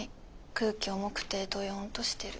空気重くてどよんとしてる。